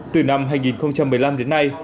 từ năm hai nghìn một mươi năm đến nay